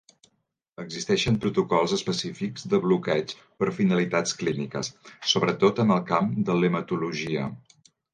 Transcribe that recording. Existeixen protocols específics de bloqueig per finalitats clíniques, sobretot en el camp de l'hematologia.